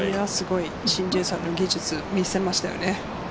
シン・ジエさんの技術を見せましたよね。